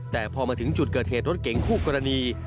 แต่พอมาถึงจุดเกิดเหตุรถเก๋งคู่กรณี